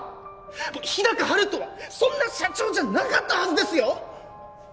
日高陽斗はそんな社長じゃなかったはずですよ！